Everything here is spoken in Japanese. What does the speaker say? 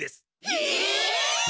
え！？